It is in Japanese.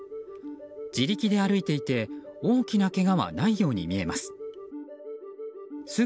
自力で歩いていて大きなけがはないように見えます。